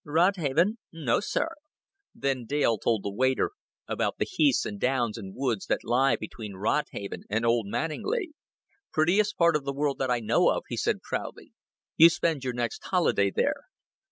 "Rodhaven? No, sir." Then Dale told the waiter about the heaths and downs and woods that lie between Rodhaven and Old Manninglea. "Prettiest part of the world that I know of," he said proudly. "You spend your next holiday there.